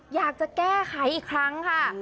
อยากจะแก้ไขอีกครั้งค่ะ